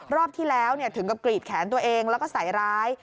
รอบที่แล้วถึงกับกรีดแขนตัวเองแล้วก็ใส่ร้าย